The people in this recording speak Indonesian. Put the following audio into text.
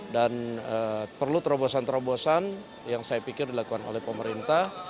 dan perlu terobosan terobosan yang saya pikir dilakukan oleh pemerintah